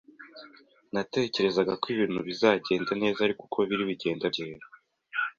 Natekerezaga ko ibintu bizagenda neza, ariko uko biri, bigenda byiyongera.